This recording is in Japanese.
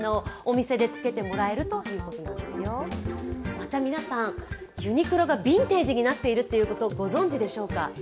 また皆さん、ユニクロがビンテージになっていること、ご存じでしょうか？